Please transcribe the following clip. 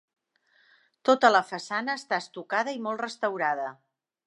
Tota la façana està estucada i molt restaurada.